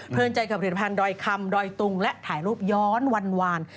ใจกับผลิตภัณฑ์ดอยคำดอยตุงและถ่ายรูปย้อนวันวาน